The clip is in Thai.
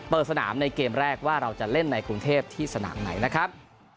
เปิดสนามในเกมแรกว่าเราจะเล่นในกรุงเทพที่สนามไหนนะครับ